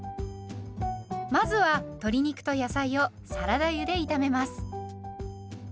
まずは鶏肉と野菜をサラダ油で炒めます。